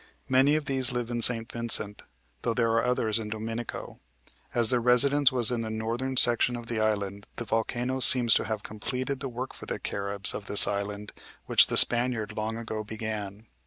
Many of these live in St. Vincent, though there are others in Dominico. As their residence was in the northern section of the island, the volcano seems to have completed the work for the Caribs of this island which the Spaniard long ago began.